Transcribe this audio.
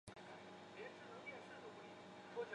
弟朱士廉也中进士。